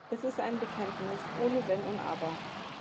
Es ist ein Bekenntnis ohne Wenn und Aber.